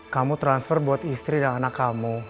kamu transfer buat istri dan anak kamu